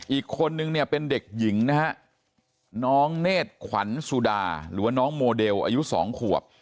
อีกคนนึงเนี่ยเป็นเด็กหญิงนะฮะน้องเนธขวัญสุดาหรือว่าน้องโมเดลอายุ๒ขวบ